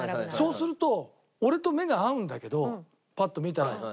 そうすると俺と目が合うんだけどパッと見たら。